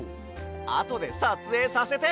あとでさつえいさせて！